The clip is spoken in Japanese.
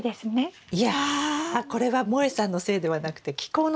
いやこれはもえさんのせいではなくて気候のせいですね